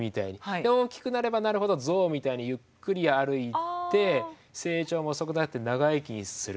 で大きくなればなるほどゾウみたいにゆっくり歩いて成長も遅くなって長生きする。